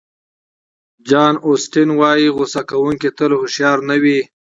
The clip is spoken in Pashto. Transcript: جان اوسټین وایي غوصه کوونکي تل هوښیار نه وي.